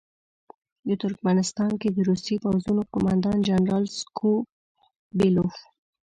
د ترکمنستان کې د روسي پوځونو قوماندان جنرال سکو بیلوف.